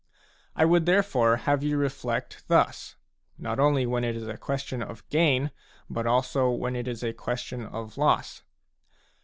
I would therefore have you reflect thus, not only when it is a question of gain, but also when it is a question of loss.